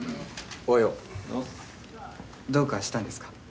おはようどうかしたんですか？